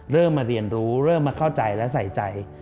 เริ่มมาเรียนรู้เริ่มมาเข้าใจและใส่ใจ